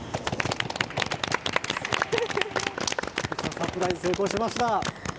サプライズ成功しました。